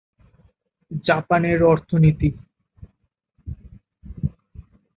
Japan এর অর্থনীতি